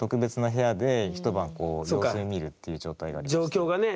状況がね。